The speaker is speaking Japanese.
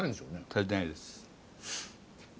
付いてないです。